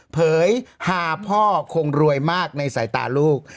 เผยหาพ่อคงรวยมากในสายตาลูก